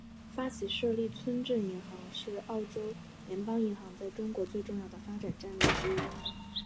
发起设立村镇银行是澳洲联邦银行在中国最重要的发展战略之一。